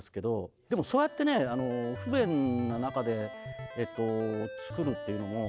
でもそうやってね不便な中で作るっていうのもあ！